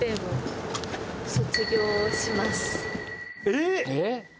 えっ？